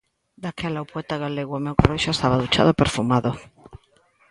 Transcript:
Daquela o poeta galego ao meu carón xa estaba duchado e perfumado.